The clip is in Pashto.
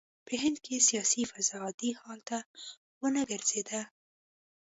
په هند کې سیاسي فضا عادي حال ته ونه ګرځېده.